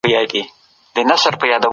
ماشومان له کیسو خوند اخلي.